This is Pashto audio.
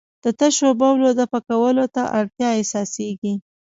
د تشو بولو دفع کولو ته اړتیا احساسېږي.